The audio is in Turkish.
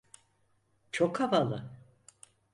Çok havalı.